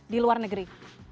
di luar negeri